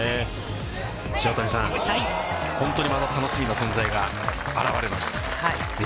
塩谷さん、本当にまた楽しみな存在が現れました。